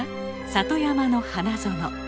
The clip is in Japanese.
里山の花園。